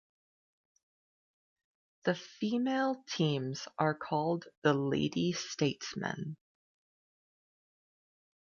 The female teams are called the Lady Statesmen.